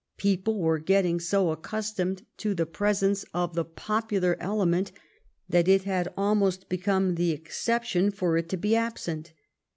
People were getting so accustomed to the presence of the popular element that it had almost become the exception for it to be absent.